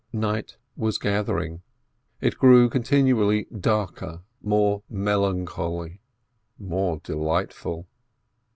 Night was gathering, it grew continually darker, more melancholy, more delightful.